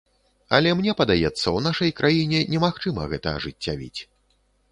Але мне падаецца, у нашай краіне немагчыма гэта ажыццявіць.